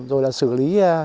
rồi xử lý các lực lượng